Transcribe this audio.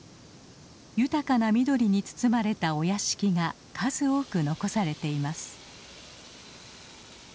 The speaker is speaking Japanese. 豊かな緑に包まれたお屋敷が数多く残されています。